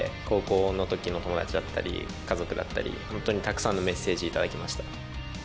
高校の時の友達だったり家族だったり本当にたくさんのメッセージをいただきました。